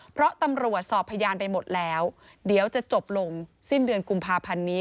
เพราะตำรวจสอบพยานไปหมดแล้วเดี๋ยวจะจบลงสิ้นเดือนกุมภาพันธ์นี้